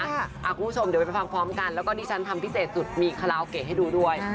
คุณผู้ชมเดี๋ยวไปฟังพร้อมกันแล้วก็ที่ฉันทำพิเศษสุดมีคาราโอเกะให้ดูด้วย